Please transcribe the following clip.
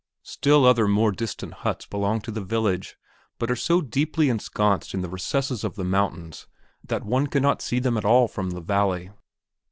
Still other more distant huts belong to the village, but are so deeply ensconced in the recesses of the mountains that one cannot see them at all from the valley.